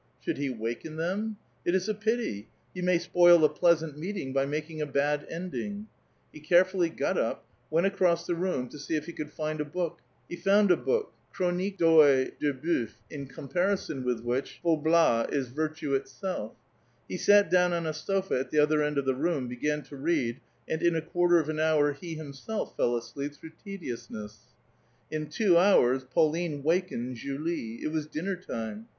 "Should he waken them? It is a pity; you may spoil a pleasant meeting by making a bad ending 1 " He carefully got up, went across the room to see if he could find a book. He found a book, " Chrouique de TCEil de Boeuf," in comparison with which " Faublas " is virtue itself. He sat down on a sofa, at the other end of the room, began to read, and in a quarter of an hour, he himself fell asleep through tediousness. In two hours, Pauline wakened Julie : it was dinner time.